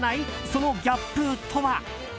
そのギャップとは。